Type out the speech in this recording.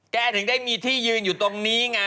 ถึงได้มีที่ยืนอยู่ตรงนี้ไง